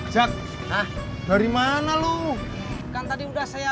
jalan jalan kereta loe